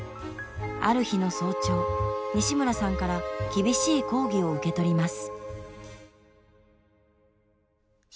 ある日の早朝西村さんから厳しい抗議を受け取ります。